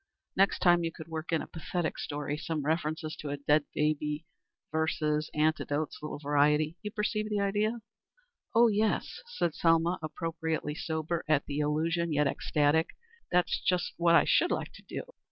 Next time you could work in a pathetic story some references to a dead baby verses anecdotes a little variety. You perceive the idea?" "Oh, yes," said Selma, appropriately sober at the allusion yet ecstatic. "That's just what I should like to do.